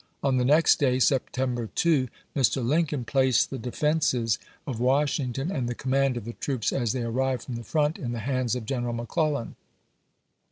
On the next day (September 2), Mr. Lincoln placed the defenses ibid., p. 798. of Washington and the command of the troops as they arrived from the front in the hands of Greneral McClellan.